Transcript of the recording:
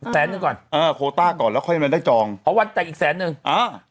แสนหนึ่งก่อนเออโคต้าก่อนแล้วค่อยมาได้จองเพราะวันแต่งอีกแสนนึงอ่า